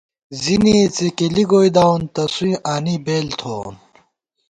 زِنِئےڅېکېلی گوئیداوون تسوئیں آنی بېل تھووون